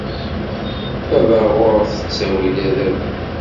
Tabaɣurt tettawi-d adabu.